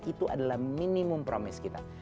itu adalah minimum promise kita